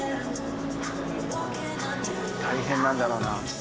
大変なんだろうな。